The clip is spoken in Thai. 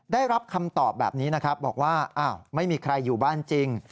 ได้รับคำตอบแบบนี้นะครับบอกว่าอ้าวไม่มีใครอยู่บ้านจริง